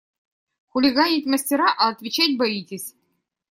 Хулиганить мастера, а отвечать боитесь!